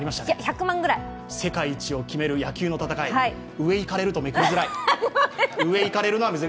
世界一を決める野球の大会上をいかれるのはめくりづらい。